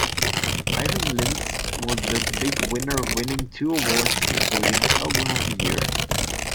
Ivan Lins was the big winner winning two awards including Album of the Year.